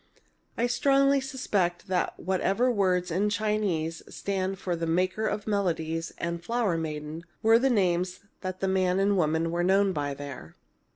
I strongly suspect that whatever words in Chinese stand for 'maker of melodies' and 'flower maiden' are the names the man and woman were known by there."